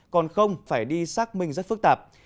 còn không phải đi xác minh rất phức tạp